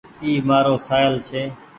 اي مآرو سآهيل ڇي